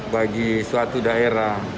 bagi suatu daerah